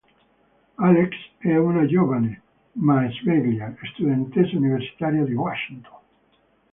Alex è una giovane, ma sveglia, studentessa universitaria di Washington.